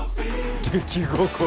出来心。